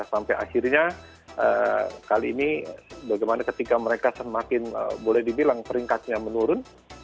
sampai akhirnya kali ini bagaimana ketika mereka semakin boleh dibilang peringkatnya menurun